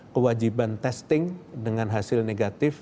kewajiban testing dengan hasil negatif